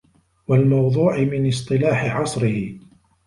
وَالْمَوْضُوعِ مِنْ اصْطِلَاحِ عَصْرِهِ